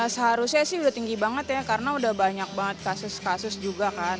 seharusnya sih udah tinggi banget ya karena udah banyak banget kasus kasus juga kan